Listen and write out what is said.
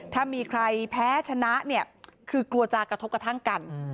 ถ้ามีใครแพ้ชนะเนี่ยคือกลัวจะกระทบกระทั่งกัน